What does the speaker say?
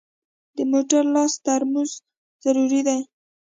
د موټر لاس ترمز ضروري دی.